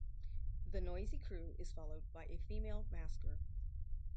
The noisy crew is followed by a female masker.